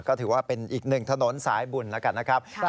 ก็ถือว่าเป็นอีกหนึ่งถนนสายบุญแล้วกันนะครับ